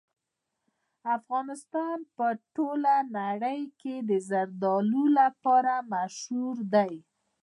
افغانستان په ټوله نړۍ کې د زردالو لپاره مشهور دی.